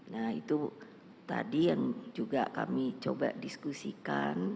nah itu tadi yang juga kami coba diskusikan